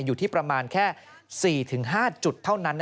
อยู่ที่ประมาณแค่๔๕จุดเท่านั้น